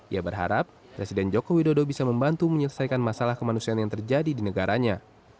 ia berharap presiden joko widodo bisa membantu menyelesaikan masalah kemanusiaan yang terjadi di negaranya